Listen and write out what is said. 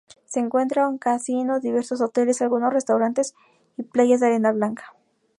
Se encuentra un casino, diversos hoteles, algunos restaurantes y playas de arena blanca.